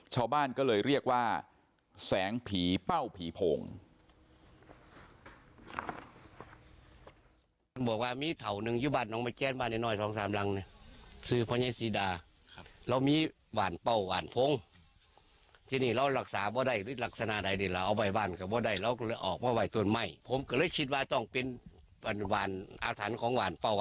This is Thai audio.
ชาวบ้านก็เลยเรียกว่าแสงผีเป้าผีโพง